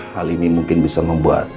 hal ini mungkin bisa membuat